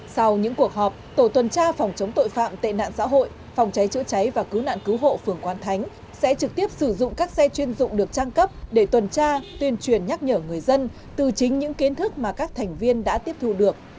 sau những cuộc họp tổ tuần tra phòng chống tội phạm tệ nạn xã hội phòng cháy chữa cháy và cứu nạn cứu hộ phường quán thánh sẽ trực tiếp sử dụng các xe chuyên dụng được trang cấp để tuần tra tuyên truyền nhắc nhở người dân từ chính những kiến thức mà các thành viên đã tiếp thu được